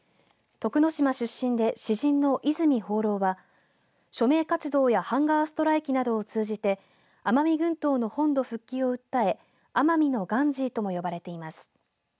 徳之島出身で、詩人の泉芳朗は署名活動やハンガーストライキなどを通じて奄美群島の本土復帰を訴え奄美のガンジーとも呼ばれています。